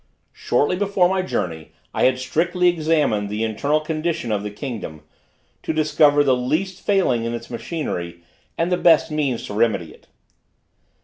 Shortly before my journey I had strictly examined the internal condition of the kingdom, to discover the least failing in its machinery, and the best means to remedy it.